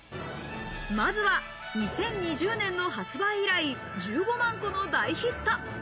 まずは２０２０年の発売以来、１５万個の大ヒット。